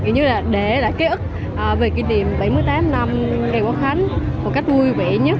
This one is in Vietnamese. như là để lại ký ức về kỷ niệm bảy mươi tám năm ngày quốc khánh một cách vui vẻ nhất